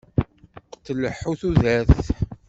Tleḥḥu tudert.